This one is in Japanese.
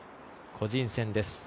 個人戦です。